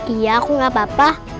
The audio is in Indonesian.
iya aku gak apa apa